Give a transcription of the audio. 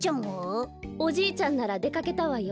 おじいちゃんならでかけたわよ。